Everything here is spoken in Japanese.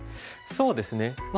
そうですね